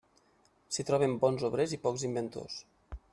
S'hi troben bons obrers i pocs inventors.